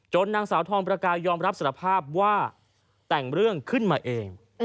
นางสาวทองประกายยอมรับสารภาพว่าแต่งเรื่องขึ้นมาเอง